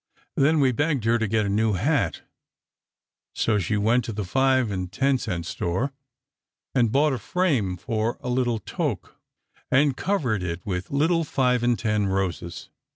Then we begged her to get a new hat. So she went to the five and ten cent store, and bought a frame for a little toque, and covered it with little five and ten roses.